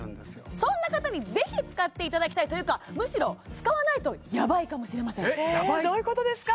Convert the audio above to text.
そんな方に是非使っていただきたいというかむしろ使わないとやばいかもしれませんえっやばい？えどういうことですか？